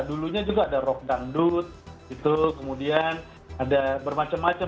dulunya juga ada rock dangdut kemudian ada bermacam macam